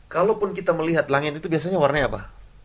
kalaupun kita melihat langit itu biasanya warnanya apa